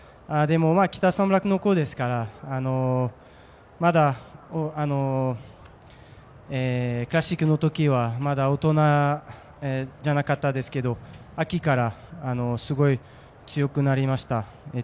キタサンブラックの子ですからまだクラシックのときはまだ大人じゃなかったですけど秋からすごい強くなりました。